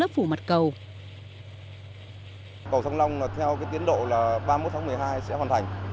cầu sông long theo tiến độ là ba mươi một tháng một mươi hai sẽ hoàn thành